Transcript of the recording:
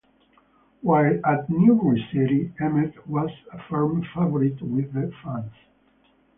While at Newry City, Emmett was a firm favourite with the fans.